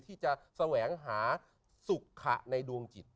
ที่จะแสวงหาสุขะในดวงจิต